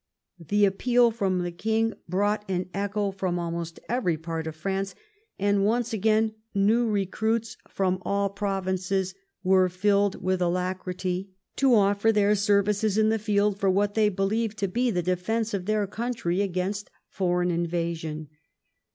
The appeal from the King brought an echo from al most every part of France, and once again new recruits from all provinces were filled with alacrity to offer their services in the field for what they believed to be the defence of their country against foreign invasion.